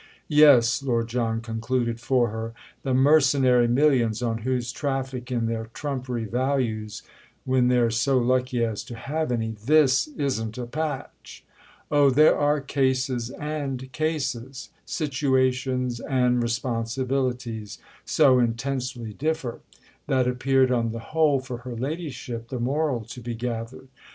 "Yes," Lord John concluded for her, "the mercenary millions on whose traffic in their trumpery values—when they're so lucky as to have any!—this isn't a patch!" "Oh, there are cases and cases: situations and responsibilities so intensely differ!"—that appeared on the whole, for her ladyship, the moral to be gathered.